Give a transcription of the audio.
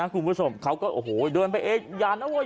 คุณผู้ชมเขาก็โอ้โหเดินไปเองอย่านะเว้ย